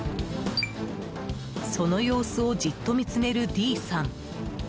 その様子をじっと見つめるＤさん。